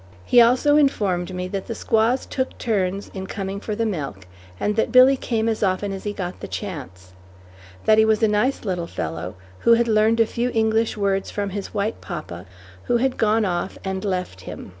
He also informed me that the squaws took turns in coming for the milk, and that Billy came as often as he got the chance; that he was a nice little fellow, who had learned a few English words from his white papa, who had gone off and left him.